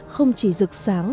không chỉ rực sáng